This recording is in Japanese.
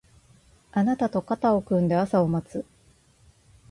あなたと肩を組んで朝を待つ